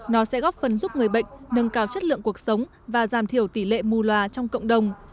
nó sẽ góp phần giúp người bệnh nâng cao chất lượng cuộc sống và giảm thiểu tỷ lệ mù loà trong cộng đồng